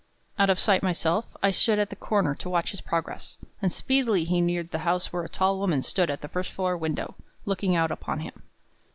Out of sight myself, I stood at the corner to watch his progress; and speedily he neared the house where a tall woman stood at the first floor window, looking out upon him.